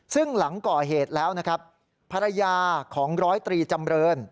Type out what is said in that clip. ซึ่งหลังก่อเหตุแล้วนะครับภรรยาของร้อยตรีจำเริน